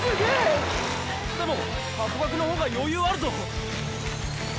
でもハコガクのほうが余裕あるぞ。